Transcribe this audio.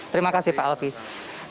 terima kasih pak alfie